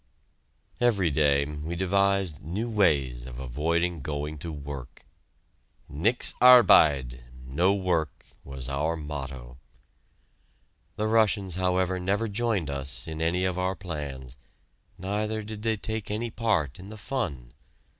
Every day we devised new ways of avoiding going to work. "Nix arbide" (no work) was our motto. The Russians, however, never joined us in any of our plans, neither did they take any part in the fun.